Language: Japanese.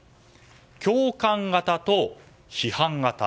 共感型と批判型。